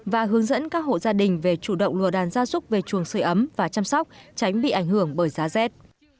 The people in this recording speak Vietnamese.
và hướng dẫn các hộ gia đình về chủ động lùa đàn gia súc về chuồng sửa ấm và chăm sóc tránh bị ảnh hưởng bởi giá rét